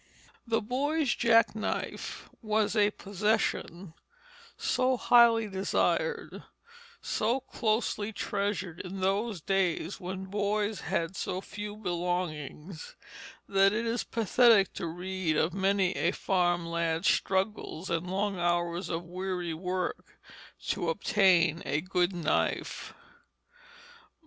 The boy's jack knife was a possession so highly desired, so closely treasured in those days when boys had so few belongings, that it is pathetic to read of many a farm lad's struggles and long hours of weary work to obtain a good knife.